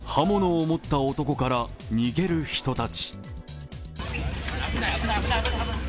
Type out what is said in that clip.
刃物を持った男から逃げる人たち。